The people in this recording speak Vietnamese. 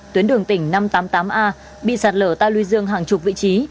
tuyến đường tỉnh năm trăm tám mươi tám a bị sạt lở ta luy dương hàng chục vị trí